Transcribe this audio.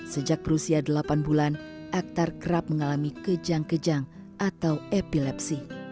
sejak berusia delapan bulan aktar kerap mengalami kejang kejang atau epilepsi